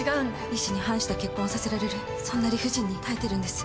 意思に反した結婚をさせられるそんな理不尽に耐えてるんです。